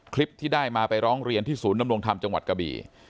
คลิปที่ได้มาไปร้องเรียนที่ศูนย์นำรงธรรมจังหวัดกะบี่